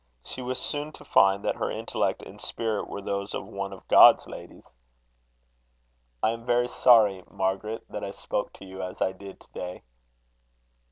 She was soon to find that her intellect and spirit were those of one of God's ladies. "I am very sorry, Margaret, that I spoke to you as I did today."